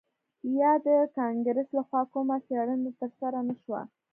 یا د کانګرس لخوا کومه څیړنه ترسره نه شوه